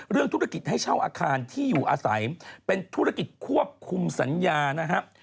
เรื่องธุรกิจให้เช่าอาคารที่อยู่อาศัยเป็นธุรกิจควบคุมสัญญานะครับ